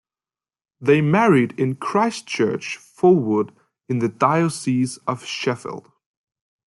They married in Christchurch, Fulwood in the Diocese of Sheffield.